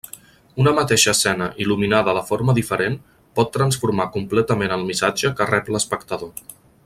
Una mateixa escena il·luminada de forma diferent pot transformar completament el missatge que rep l'espectador.